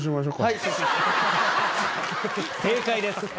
正解です。